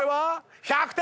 １００点！